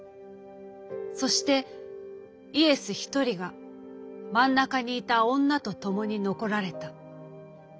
そしてイエス一人が真ん中にいた女とともに残られた。